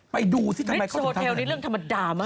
ไปดูสิทำไมเขาจะทำแบบนี้